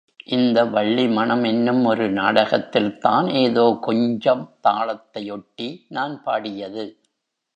இந்த வள்ளி மணம் என்னும் ஒரு நாடகத்தில்தான் ஏதோ கொஞ்சம் தாளத்தை ஒட்டி நான் பாடியது.